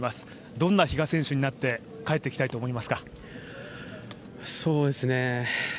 どんな比嘉選手になって帰ってきたいと思いますか？